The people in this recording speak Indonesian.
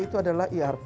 itu adalah irp